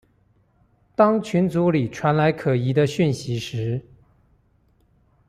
當群組裡傳來可疑的訊息時